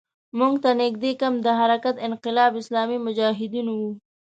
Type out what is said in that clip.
موږ ته نږدې کمپ د حرکت انقلاب اسلامي مجاهدینو وو.